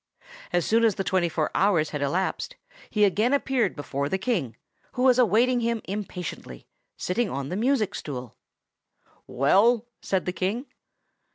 As soon as the twenty four hours had elapsed he again appeared before the King, who was awaiting him impatiently, sitting on the music stool. "Well?" said the King.